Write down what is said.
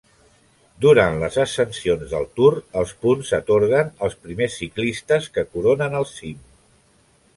Durant les ascensions del Tour, els punts s'atorguen als primers ciclistes que coronen el cim.